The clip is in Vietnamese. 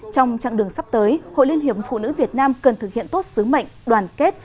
trong chặng đường sắp tới hội liên hiệp phụ nữ việt nam cần thực hiện tốt sứ mệnh đoàn kết